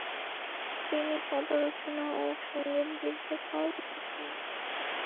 তিনি পদরচনা ও সংগীত বিদ্যায় পারদর্শী ছিলেন।